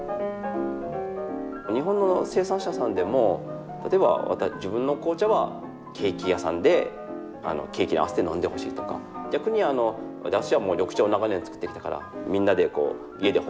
日本の生産者さんでも例えば自分の紅茶はケーキ屋さんでケーキに合わせて飲んでほしいとか逆に私は緑茶を長年作ってきたからみんなで家でほっこり飲んでほしいとか。